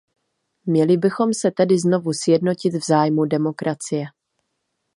Měli bychom se tedy znovu sjednotit v zájmu demokracie.